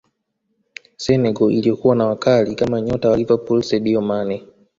senegal iliyokuwa na wakali kama nyota wa liverpool sadio mane